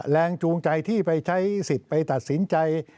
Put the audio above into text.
แรงจูงใจที่ไปใช้สิทธิ์ไปตัดสินใจ